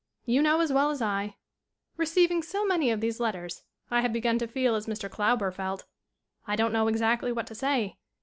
You know as well as I. Receiving so many of these letters I have be gun to feel as Mr. Klauber felt. I don't know exactly what to say.